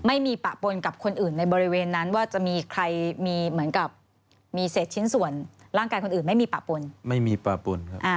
ไม่มีปะปนกับคนอื่นในบริเวณนั้นว่าจะมีใครมีเหมือนกับมีเศษชิ้นส่วนร่างกายคนอื่นไม่มีปะปนไม่มีปะปนครับ